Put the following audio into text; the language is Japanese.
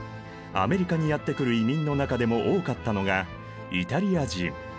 アメリカにやって来る移民の中でも多かったのがイタリア人。